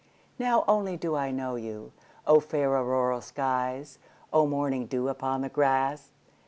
Now only do I know you!O fair auroral skies! O morning dew upon the grass!